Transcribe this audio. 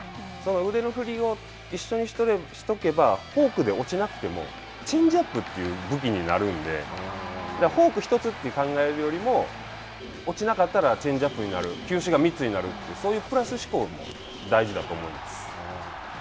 腕の振りを一緒にしておけばフォークで落ちなくてもチェンジアップという武器になるんで、フォーク１つと考えるよりも、落ちなかったらチェンジアップになる、球種が３つになるというそういうプラス思考も大事だと思うんです。